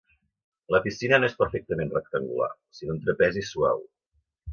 La piscina no és perfectament rectangular, sinó un trapezi suau.